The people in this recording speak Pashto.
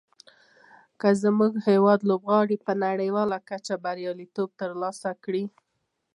که زموږ هېواد لوبغاړي په نړیواله کچه بریالیتوب تر لاسه کړي.